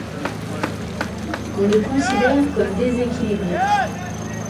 On le considère comme déséquilibré.